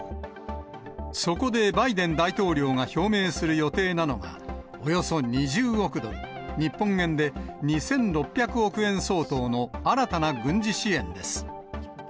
そこでバイデン大統領が表明する予定なのが、およそ２０億ドル、日本円で２６００億円相当の新たな軍事支援です。